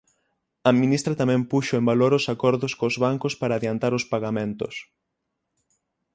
A ministra tamén puxo en valor os acordos cos bancos para adiantar os pagamentos.